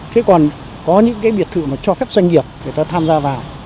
thế còn có những cái biệt thự mà cho phép doanh nghiệp người ta tham gia vào